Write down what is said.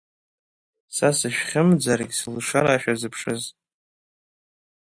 Са сышәхьымӡаргь сылашара шәазыԥшыз!